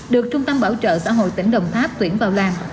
được trung tâm bảo trợ xã hội tỉnh đồng tháp tuyển vào làm